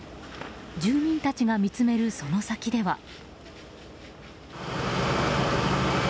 住民たちが見つめるその先では。